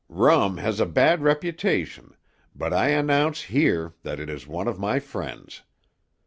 Rum has a bad reputation, but I announce here that it is one of my friends.